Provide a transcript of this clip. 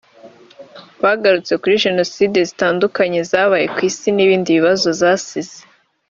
bagarutse kuri Jenoside zitandukanye zabaye ku Isi n’ibibazo zasize